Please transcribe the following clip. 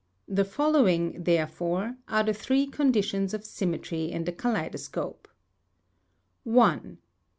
The following, there fore, are the three conditions of symmetry in the kaleidoscope : ŌĆö 1.